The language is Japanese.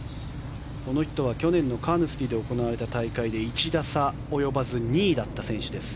この人は去年のカーヌスティで行われた大会で１打差及ばず２位だった選手です